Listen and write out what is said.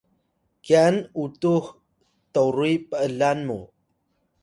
kyan utux toruy p’lan mu